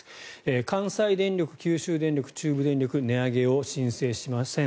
関西電力、九州電力、中部電力値上げを申請しません